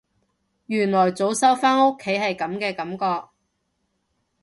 原來早收返屋企係噉嘅感覺